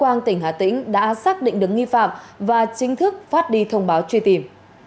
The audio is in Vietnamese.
bang tỉnh hà tĩnh đã xác định đứng nghi phạm và chính thức phát đi thông báo truy tìm